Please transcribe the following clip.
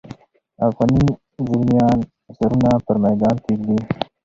افغاني زلمیان سرونه پر میدان ږدي.